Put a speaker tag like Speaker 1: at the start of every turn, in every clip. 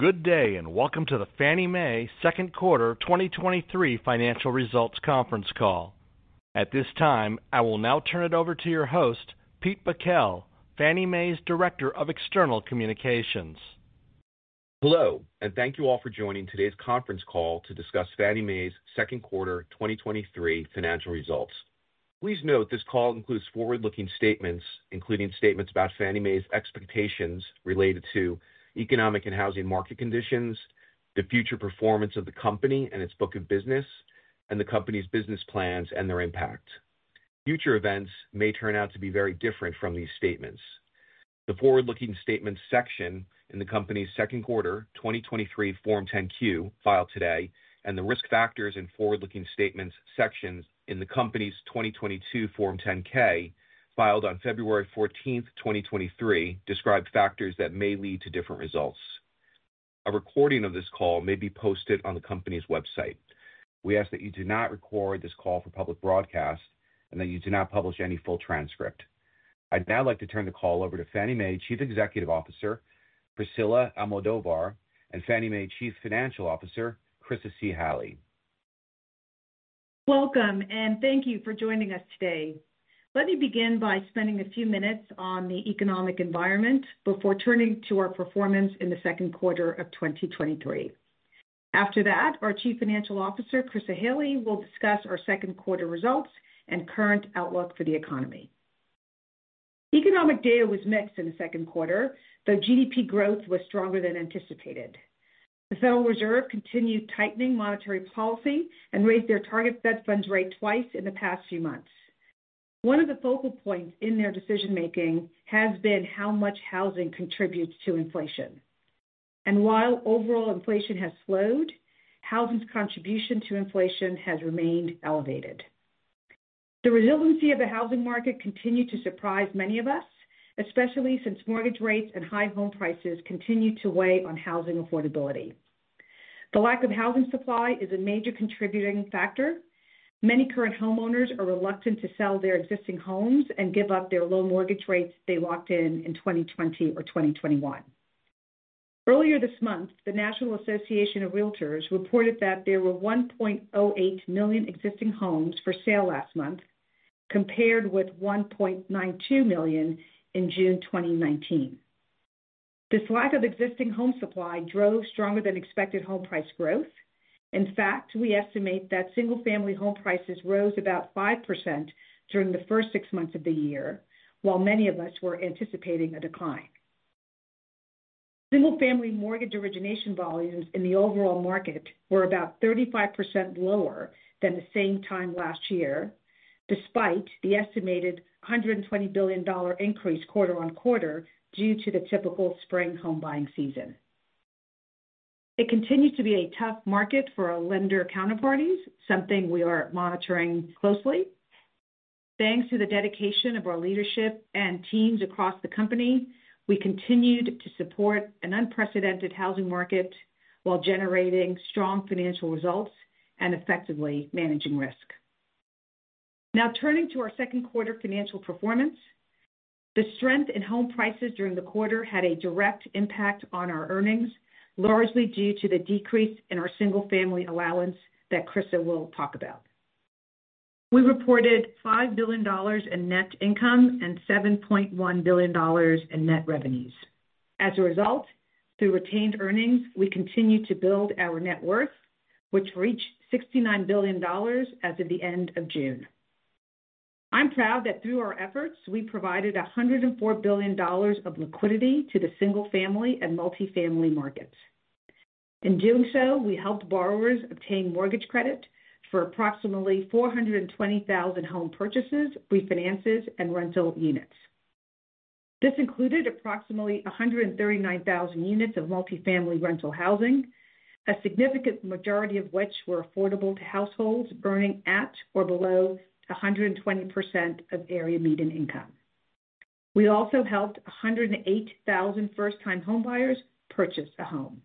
Speaker 1: Good day, welcome to the Fannie Mae second quarter 2023 financial results conference call. At this time, I will now turn it over to your host, Pete Bakel, Fannie Mae's Director of External Communications.
Speaker 2: Hello, thank you all for joining today's conference call to discuss Fannie Mae's second quarter 2023 financial results. Please note, this call includes forward-looking statements, including statements about Fannie Mae's expectations related to economic and housing market conditions, the future performance of the company and its book of business, and the company's business plans and their impact. Future events may turn out to be very different from these statements. The forward-looking statements section in the company's second quarter 2023 Form 10-Q, filed today, and the risk factors and forward-looking statements sections in the company's 2022 Form 10-K, filed on February 14th, 2023, describe factors that may lead to different results. A recording of this call may be posted on the company's website. We ask that you do not record this call for public broadcast and that you do not publish any full transcript. I'd now like to turn the call over to Fannie Mae Chief Executive Officer, Priscilla Almodovar, and Fannie Mae Chief Financial Officer, Chryssa C. Halley.
Speaker 3: Welcome, and thank you for joining us today. Let me begin by spending a few minutes on the economic environment before turning to our performance in the second quarter of 2023. After that, our Chief Financial Officer, Chryssa Halley, will discuss our second quarter results and current outlook for the economy. Economic data was mixed in the second quarter, though GDP growth was stronger than anticipated. The Federal Reserve continued tightening monetary policy and raised their target federal funds rate twice in the past few months. One of the focal points in their decision-making has been how much housing contributes to inflation. While overall inflation has slowed, housing's contribution to inflation has remained elevated. The resiliency of the housing market continued to surprise many of us, especially since mortgage rates and high home prices continue to weigh on housing affordability. The lack of housing supply is a major contributing factor. Many current homeowners are reluctant to sell their existing homes and give up their low mortgage rates they locked in in 2020 or 2021. Earlier this month, the National Association of Realtors reported that there were 1.08 million existing homes for sale last month, compared with 1.92 million in June 2019. This lack of existing home supply drove stronger than expected home price growth. In fact, we estimate that single-family home prices rose about 5% during the first six months of the year, while many of us were anticipating a decline. Single-family mortgage origination volumes in the overall market were about 35% lower than the same time last year, despite the estimated $120 billion increase quarter-on-quarter due to the typical spring home buying season. It continues to be a tough market for our lender counterparties, something we are monitoring closely. Thanks to the dedication of our leadership and teams across the company, we continued to support an unprecedented housing market while generating strong financial results and effectively managing risk. Turning to our second quarter financial performance. The strength in home prices during the quarter had a direct impact on our earnings, largely due to the decrease in our single-family allowance that Chryssa will talk about. We reported $5 billion in net income and $7.1 billion in net revenues. Through retained earnings, we continue to build our net worth, which reached $69 billion as of the end of June. I'm proud that through our efforts, we provided $104 billion of liquidity to the single-family and multifamily markets. In doing so, we helped borrowers obtain mortgage credit for approximately 420,000 home purchases, refinances, and rental units. This included approximately 139,000 units of multifamily rental housing, a significant majority of which were affordable to households earning at or below 120% of Area Median Income. We also helped 108,000 first-time homebuyers purchase a home.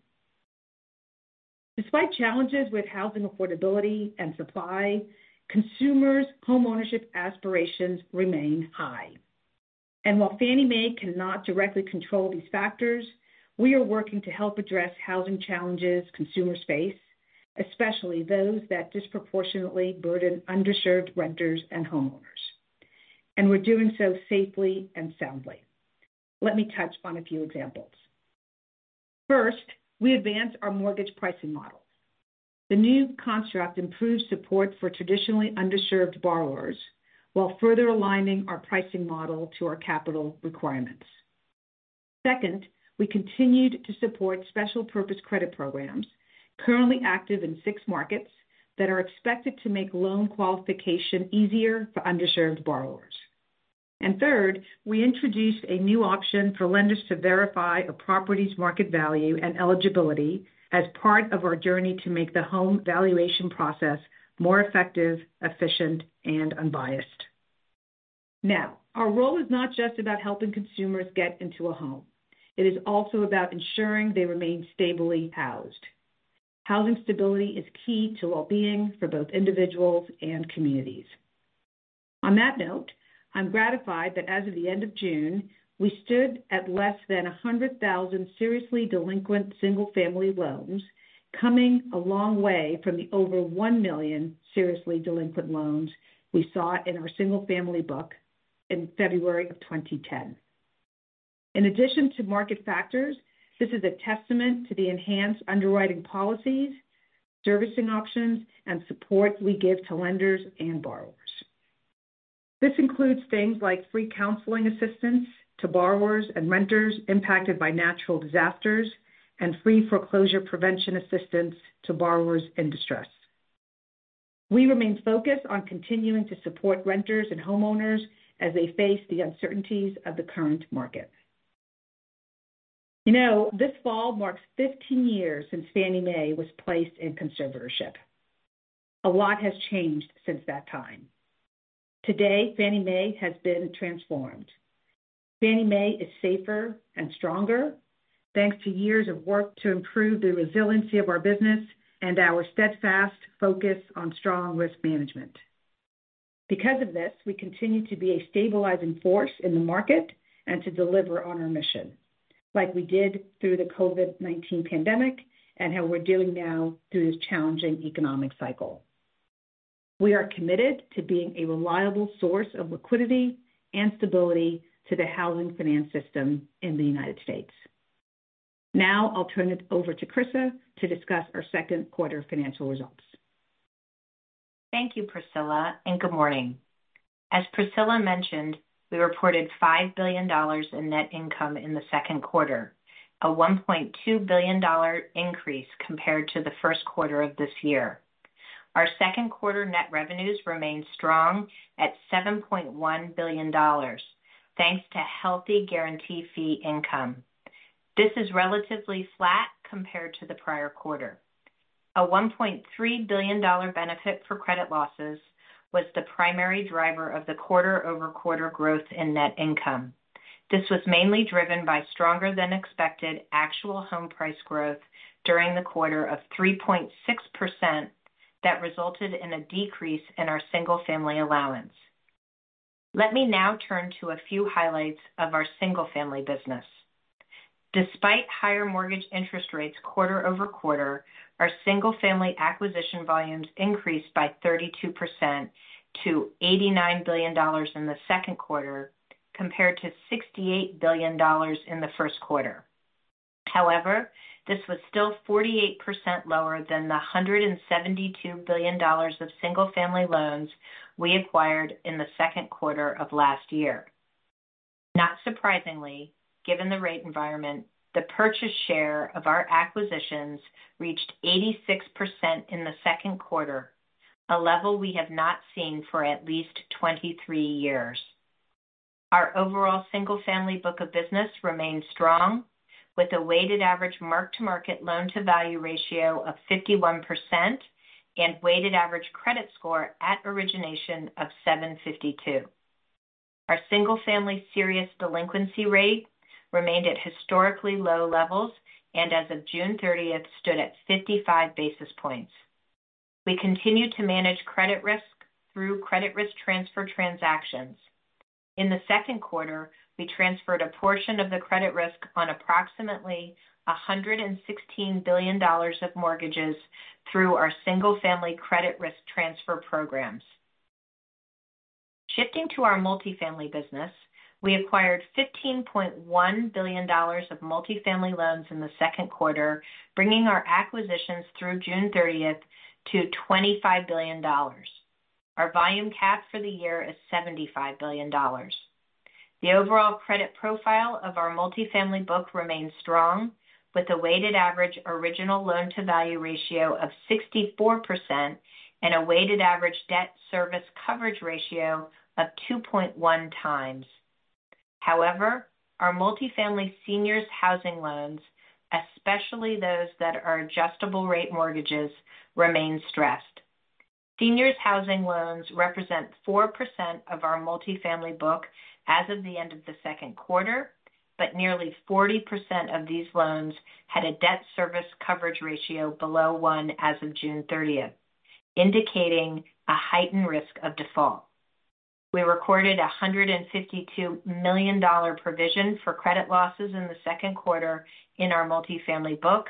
Speaker 3: While Fannie Mae cannot directly control these factors, we are working to help address housing challenges consumers face, especially those that disproportionately burden underserved renters and homeowners, and we're doing so safely and soundly. Let me touch on a few examples. First, we advanced our mortgage pricing model. The new construct improves support for traditionally underserved borrowers while further aligning our pricing model to our capital requirements. Second, we continued to support Special Purpose Credit Programs currently active in six markets that are expected to make loan qualification easier for underserved borrowers. Third, we introduced a new option for lenders to verify a property's market value and eligibility as part of our journey to make the home valuation process more effective, efficient, and unbiased. Now, our role is not just about helping consumers get into a home. It is also about ensuring they remain stably housed. Housing stability is key to well-being for both individuals and communities. On that note, I'm gratified that as of the end of June, we stood at less than 100,000 seriously delinquent single-family loans, coming a long way from the over 1 million seriously delinquent loans we saw in our single-family book in February 2010. In addition to market factors, this is a testament to the enhanced underwriting policies, servicing options, and support we give to lenders and borrowers. This includes things like free counseling assistance to borrowers and renters impacted by natural disasters and free foreclosure prevention assistance to borrowers in distress. We remain focused on continuing to support renters and homeowners as they face the uncertainties of the current market. You know, this fall marks 15 years since Fannie Mae was placed in conservatorship. A lot has changed since that time. Today, Fannie Mae has been transformed. Fannie Mae is safer and stronger, thanks to years of work to improve the resiliency of our business and our steadfast focus on strong risk management. Because of this, we continue to be a stabilizing force in the market and to deliver on our mission, like we did through the COVID-19 pandemic and how we're doing now through this challenging economic cycle. We are committed to being a reliable source of liquidity and stability to the housing finance system in the United States. Now I'll turn it over to Chryssa Halley to discuss our second quarter financial results.
Speaker 4: Thank you, Priscilla, and good morning. As Priscilla mentioned, we reported $5 billion in net income in the second quarter, a $1.2 billion increase compared to the first quarter of this year. Our second quarter net revenues remained strong at $7.1 billion, thanks to healthy guarantee fee income. This is relatively flat compared to the prior quarter. A $1.3 billion benefit for credit losses was the primary driver of the quarter-over-quarter growth in net income. This was mainly driven by stronger-than-expected actual home price growth during the quarter of 3.6%, that resulted in a decrease in our single-family allowance. Let me now turn to a few highlights of our single-family business. Despite higher mortgage interest rates quarter-over-quarter, our single-family acquisition volumes increased by 32% to $89 billion in the second quarter, compared to $68 billion in the first quarter. This was still 48% lower than the $172 billion of single-family loans we acquired in the second quarter of last year. Not surprisingly, given the rate environment, the purchase share of our acquisitions reached 86% in the second quarter, a level we have not seen for at least 23 years. Our overall single-family book of business remained strong, with a weighted average mark-to-market loan-to-value ratio of 51% and weighted average credit score at origination of 752. Our single-family serious delinquency rate remained at historically low levels and, as of June 30th, stood at 55 basis points. We continued to manage credit risk through Credit Risk Transfer transactions. In the second quarter, we transferred a portion of the credit risk on approximately $116 billion of mortgages through our Single-Family Credit Risk Transfer programs. Shifting to our multifamily business, we acquired $15.1 billion of multifamily loans in the second quarter, bringing our acquisitions through June 30th to $25 billion. Our volume cap for the year is $75 billion. The overall credit profile of our multifamily book remains strong, with a weighted average original loan-to-value ratio of 64% and a weighted average debt service coverage ratio of 2.1 times. However, our multifamily seniors housing loans, especially those that are adjustable-rate mortgages, remain stressed. Seniors housing loans represent 4% of our multifamily book as of the end of the second quarter, but nearly 40% of these loans had a debt service coverage ratio below one as of June 30th, indicating a heightened risk of default. We recorded a $152 million provision for credit losses in the second quarter in our multifamily book,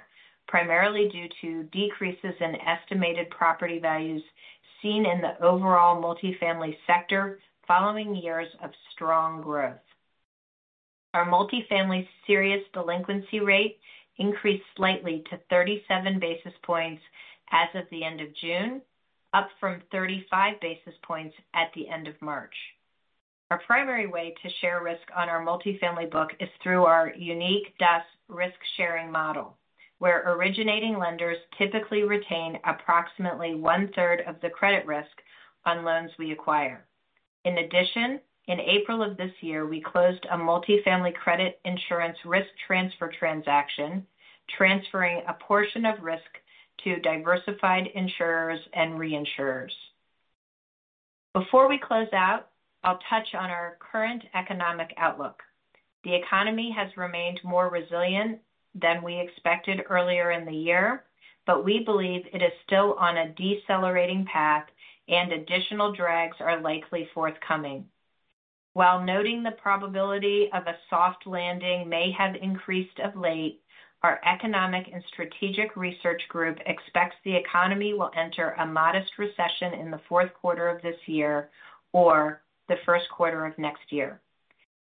Speaker 4: primarily due to decreases in estimated property values seen in the overall multifamily sector following years of strong growth. Our multifamily serious delinquency rate increased slightly to 37 basis points as of the end of June, up from 35 basis points at the end of March. Our primary way to share risk on our multifamily book is through our unique DUS risk-sharing model, where originating lenders typically retain approximately one-third of the credit risk on loans we acquire. In addition, in April of this year, we closed a multifamily Credit Insurance Risk Transfer transaction, transferring a portion of risk to diversified insurers and reinsurers. Before we close out, I'll touch on our current economic outlook. The economy has remained more resilient than we expected earlier in the year, but we believe it is still on a decelerating path and additional drags are likely forthcoming. While noting the probability of a soft landing may have increased of late, our Economic and Strategic Research Group expects the economy will enter a modest recession in the fourth quarter of this year or the first quarter of next year.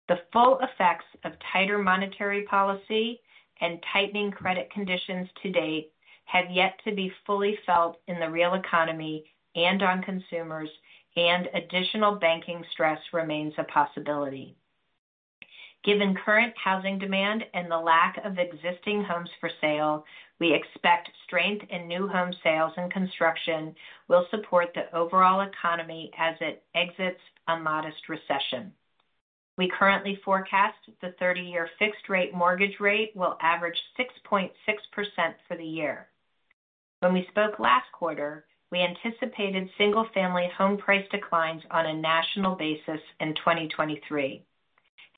Speaker 4: The full effects of tighter monetary policy and tightening credit conditions to date have yet to be fully felt in the real economy and on consumers, and additional banking stress remains a possibility. Given current housing demand and the lack of existing homes for sale, we expect strength in new home sales and construction will support the overall economy as it exits a modest recession. We currently forecast the 30-year fixed-rate mortgage rate will average 6.6% for the year. When we spoke last quarter, we anticipated single-family home price declines on a national basis in 2023.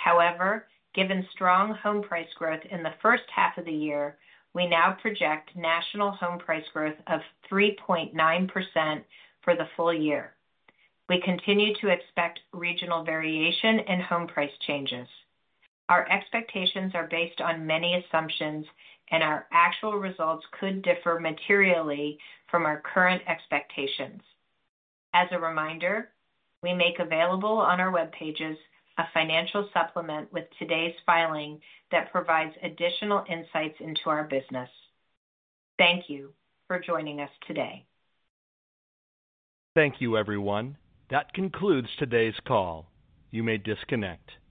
Speaker 4: However, given strong home price growth in the first half of the year, we now project national home price growth of 3.9% for the full year. We continue to expect regional variation in home price changes. Our expectations are based on many assumptions, and our actual results could differ materially from our current expectations. As a reminder, we make available on our web pages a financial supplement with today's filing that provides additional insights into our business. Thank you for joining us today.
Speaker 1: Thank you, everyone. That concludes today's call. You may disconnect.